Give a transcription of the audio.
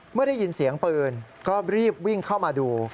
เมื่อได้ยินเสียงปืนก็รีบวิ่งเข้ามาดู